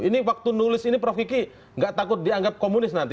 ini waktu nulis ini prof kiki nggak takut dianggap komunis nanti